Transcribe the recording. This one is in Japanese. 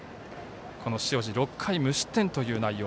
この塩路６回無失点という内容。